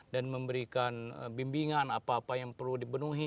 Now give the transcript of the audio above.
dan memberikan bimbingan apa apa yang perlu dipenuhi